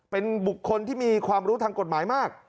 เป็นบุคคลที่มีความรู้ทางกฎหมายมาก